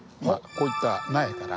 こういった苗から。